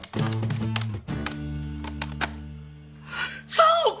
３億！